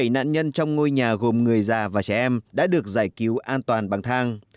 bảy nạn nhân trong ngôi nhà gồm người già và trẻ em đã được giải cứu an toàn bằng thang